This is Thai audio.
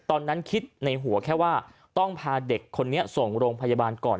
ตอนนั้นคิดในหัวแค่ว่าต้องพาเด็กคนนี้ส่งโรงพยาบาลก่อน